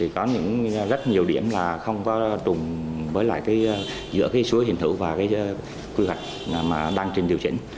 có rất nhiều điểm là không có trùng giữa số hình thủ và quy hoạch đang trình điều chỉnh